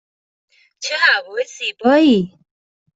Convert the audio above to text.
چه هوای زیبایی!